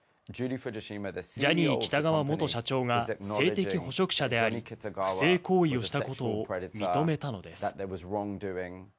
ジャニー喜多川元社長が性的捕食者であり、不正行為をしたことを認めたのです。